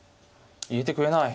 入れてくれない。